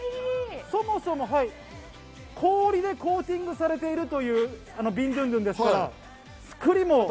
そもそも氷でコーティングされているというビンドゥンドゥンですから。